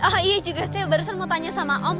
oh iya juga saya barusan mau tanya sama om